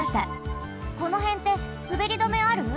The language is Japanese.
このへんってすべり止めある？